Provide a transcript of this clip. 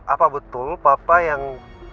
apa betul papa yang